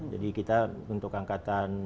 jadi kita untuk angkatan